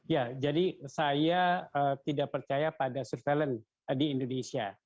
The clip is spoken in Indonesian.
ya jadi saya tidak percaya pada surveillance di indonesia